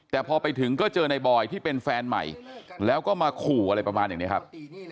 แต่พอไปถึงก็เจอในบอยที่เป็นแฟนใหม่แล้วก็มาขู่อะไรประมาณอย่างนี้ครับ